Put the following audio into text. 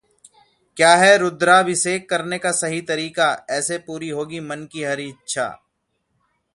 क्या है रूद्राभिषेक करने का सही तरीका? ऐसे पूरी होगी मन की हर इच्छा